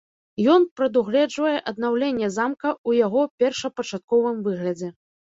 Ён прадугледжвае аднаўленне замка ў яго першапачатковым выглядзе.